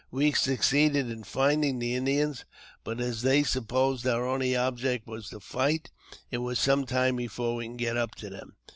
We succeeded in finding the Indians ; but, as they supposed our only object was to fight, it was some time before we could get up to them.